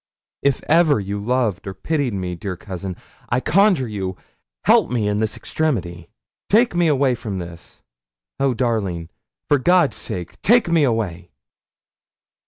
If ever you loved or pitied me, dear cousin, I conjure you, help me in this extremity. Take me away from this. Oh, darling, for God's sake take me away!